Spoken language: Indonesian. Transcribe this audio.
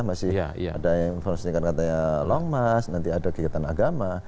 masih ada yang informasinya katanya longmas nanti ada kegiatan agama